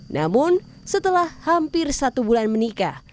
namun setelah hampir satu bulan menikah